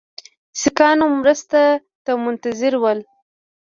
سیکهانو مرستې ته منتظر ول.